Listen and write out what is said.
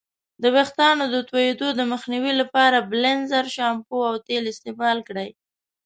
د ویښتانو د توییدو د مخنیوي لپاره بیلینزر شامپو او تیل استعمال کړئ.